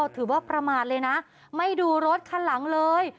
ถือว่าประมาทเลยนะไม่ดูรถคันหลังเลย